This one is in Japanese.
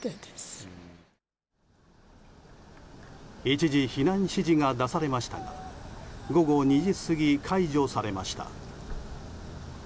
一時避難指示が出されましたが午後２時過ぎ、解除されました。